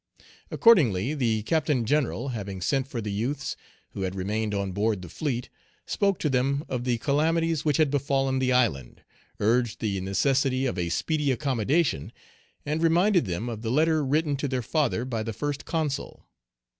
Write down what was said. Accordingly, the Captain General, having sent for the youths, who had remained on board the fleet, spoke to them of the calamities which had befallen the island, urged the necessity of a speedy accommodation, and reminded them of the letter written to their father by the First Consul.